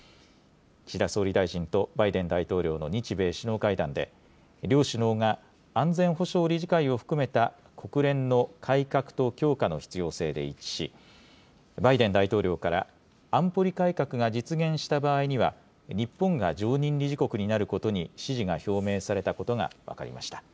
岸田総理大臣とバイデン大統領の日米首脳会談で、両首脳が安全保障理事会を含めた国連の改革と強化の必要性で一致し、バイデン大統領から安保理改革が実現した場合には、日本が常任理事国になることに支持が表明されたことが分かりました。